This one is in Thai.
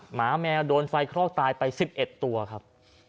หมาแมวโดนไฟคลอกตายไป๑๑ตัวครับ